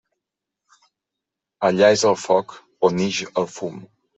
Allà és el foc, on ix el fum.